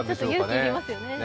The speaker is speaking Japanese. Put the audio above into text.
勇気が要りますよね。